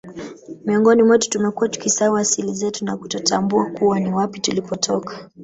Miongoni mwetu tumekuwa tukisahau asili zetu na kutotambua kuwa ni wapi tulipotoka